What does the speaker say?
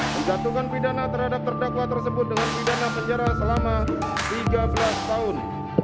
menjatuhkan pidana terhadap terdakwa tersebut dengan pidana penjara selama tiga belas tahun